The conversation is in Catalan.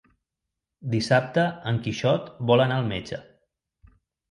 Dissabte en Quixot vol anar al metge.